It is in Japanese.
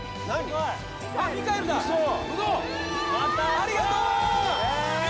ありがとう！あ！